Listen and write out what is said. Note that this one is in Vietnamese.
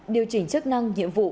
điều chỉnh chức năng nhiệm vụ